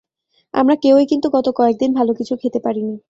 আমরা কেউই কিন্তু গত কয়েকদিন ভালো কিছু খেতে পারিনি!